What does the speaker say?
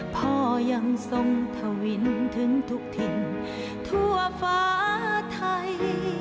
พ่อยังทรงทวินถึงทุกถิ่นทั่วฟ้าไทย